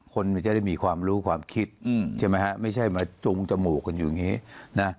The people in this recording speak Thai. มันจะได้มีความรู้ความคิดใช่ไหมฮะไม่ใช่มาจุงจมูกกันอยู่อย่างนี้นะ